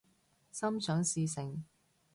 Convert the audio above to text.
心想事成